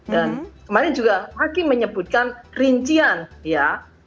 dan kemarin juga hakim menyebutkan rincian ya